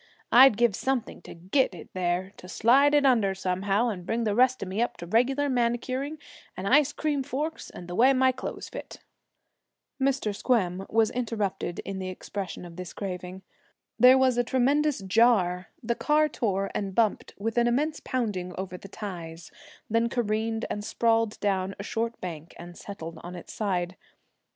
I'd give something to get it there to slide it under, somehow, and bring the rest of me up to regular manicuring and ice cream forks and the way my clothes fit!' Mr. Squem was interrupted in the expression of this craving. There was a tremendous jar; the car tore and bumped with an immense pounding over the ties, then careened and sprawled down a short bank and settled on its side.